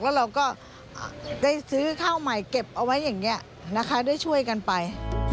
แล้วเราก็ได้ซื้อข้าวใหม่เก็บเอาไว้อย่างนี้นะคะได้ช่วยกันไป